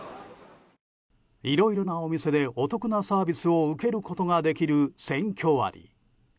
いろいろなお店でお得なサービスを受けることができる選挙割。